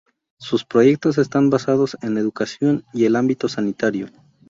Sus proyectos están basados en Educación y el ámbito sanitario.